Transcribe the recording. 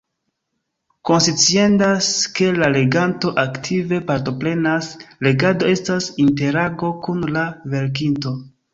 Konsciendas, ke leganto aktive partoprenas: legado estas interago kun la verkinto.